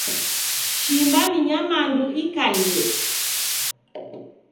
Shimba ni nyamandu ikalie.